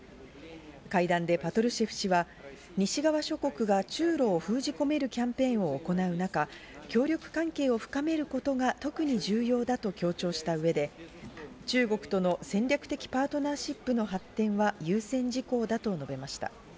会談でパトルシェフ氏は西側諸国が中露を封じ込めるキャンペーンを行う中、協力関係を深めることが特に重要だと強調した上で、中国との戦略的パートナーシップの発展は優先事項だと述べました。